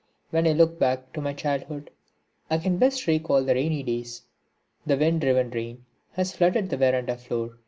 When I look back to my childhood I can best recall the rainy days. The wind driven rain has flooded the verandah floor.